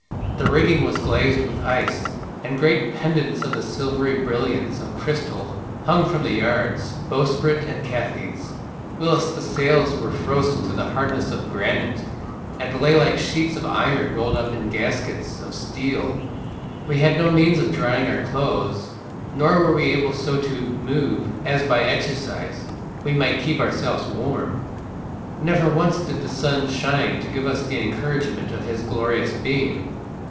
The rigging was glazed with ice, and great pendants of the silvery brilliance of crystal hung from the yards, bowsprit, and catheads, whilst the sails were frozen to the hardness of granite, and lay like sheets of iron rolled up in gaskets of steel. We had no means of drying our clothes, nor were we able so to move as by exercise we might keep ourselves warm. Never once did the sun shine to give us the encouragement of his glorious beam.